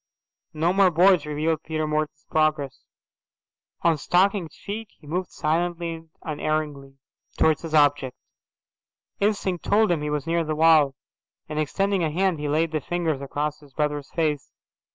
No more boards revealed Peter Morton's progress. On stockinged feet he moved silently and unerringly towards his object. Instinct told him he was near the wall, and, extending a hand, he laid the fingers across his brother's face.